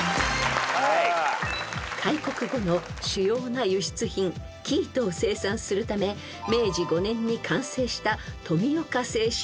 ［開国後の主要な輸出品生糸を生産するため明治５年に完成した富岡製糸場］